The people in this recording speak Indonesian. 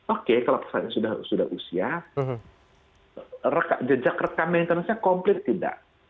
oke kalau pesawatnya sudah usia reka jejak rekam maintenance nya komplit tidak